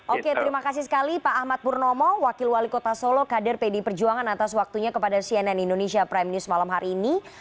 oke terima kasih sekali pak ahmad purnomo wakil wali kota solo kader pdi perjuangan atas waktunya kepada cnn indonesia prime news malam hari ini